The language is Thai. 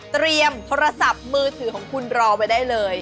เตรียมโทรศัพท์มือถือของคุณรอไว้ได้เลย